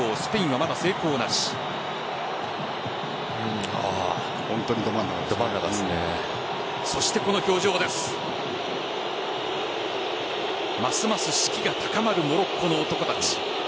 ますます士気が高まるモロッコの男たち。